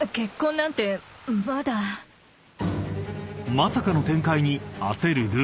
［まさかの展開に］